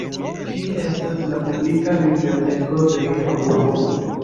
Kie estas la publika biblioteko de via urbo?